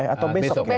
atau besok ya